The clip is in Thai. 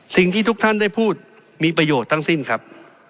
สิ่งที่ทุกท่านได้พูดมีประโยชน์ทั้งสิ้นครับ